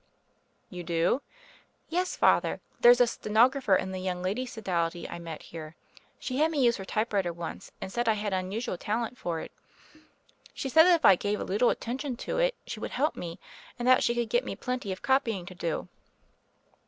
"You do?" "Yes, Father. There's a stenographer in the Young Ladies' Sodality I met here. She had me use her typewriter once, and said I had un usual talent for it. She said that if I gave a little attention to it she would help me, and that she could get me plenty of copying to do."